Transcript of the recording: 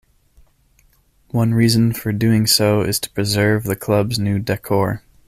One reason for doing so is to preserve the club's new decor.